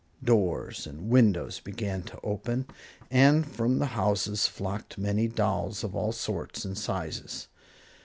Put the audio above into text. Doors and windows began to open, and from the houses flocked many dolls of all sorts and sizes.